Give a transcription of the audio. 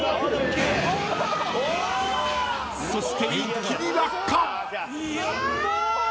［そして一気に落下］